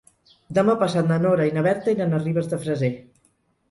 Demà passat na Nora i na Berta iran a Ribes de Freser.